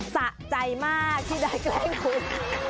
สะใจมากที่ได้แกล้งคุณ